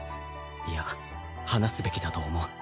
いや話すべきだと思う。